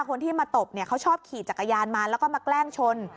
คนที่มาตบเนี่ยเขาชอบขี่จักรยานมาแล้วก็มาแกล้งชน